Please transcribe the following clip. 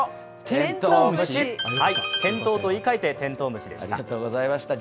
店頭と言い換えて、テントウムシでした。